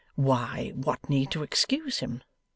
'Why, what need to excuse him?